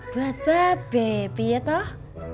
buat bebe bia toh